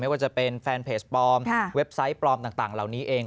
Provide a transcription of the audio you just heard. ว่าจะเป็นแฟนเพจปลอมเว็บไซต์ปลอมต่างเหล่านี้เอง